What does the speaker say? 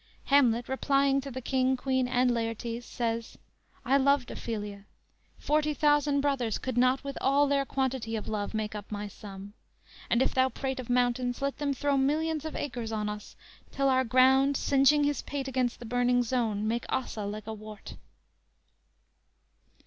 "_ Hamlet, replying to the King, Queen and Laertes, says: _"I loved Ophelia; forty thousand brothers, Could not, with all their quantity of love Make up my sum: And, if thou prate of mountains, let them throw Millions of acres on us, till our ground Singeing his pate against the burning zone Make Ossa like a wart!"